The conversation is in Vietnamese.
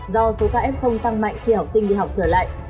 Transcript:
do số ca ép không tăng mạnh khi học sinh đi học trở lại